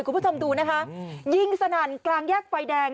คุณผู้ชมดูนะคะยิงสนั่นกลางแยกไฟแดง